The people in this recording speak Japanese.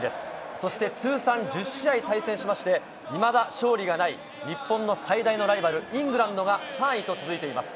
そして通算１０試合対戦して、いまだ勝利がない日本の最大のライバル、イングランドが３位と続いています。